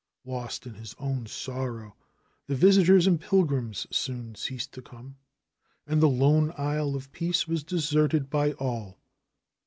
Lost in his own sorrow, the visitors and pilgrims soon ceased to come. And the lone Isle of Peace was deserted by all.